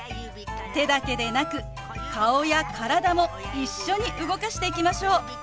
手だけでなく顔や体も一緒に動かしていきましょう！